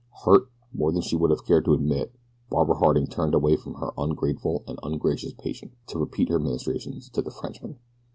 Hurt, more than she would have cared to admit, Barbara Harding turned away from her ungrateful and ungracious patient, to repeat her ministrations to the Frenchman.